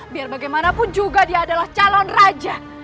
biar bagaimanapun juga dia adalah calon raja